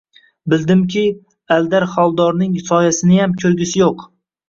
Bildimki, Aldar Xoldorning soyasiniyam ko‘rgisi yo‘q